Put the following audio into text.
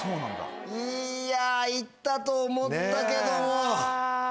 いやいったと思ったけども。